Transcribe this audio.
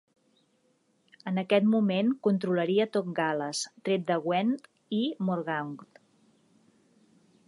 En aquest moment, controlaria tot Gal·les, tret de Gwent i Morgannwg.